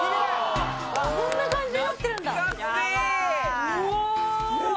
こんな感じになってるんだ懐かしい！